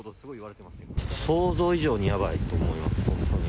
想像以上にやばいと思います、本当に。